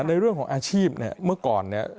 ในเรื่องของอาชีพเนี่ยเมื่อก่อนเนี่ย